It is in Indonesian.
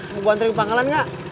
mau gua anterin panggalan gak